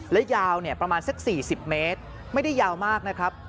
และยาวประมาณสัก๔๐เมตรไม่ได้ยาวมากนะครับ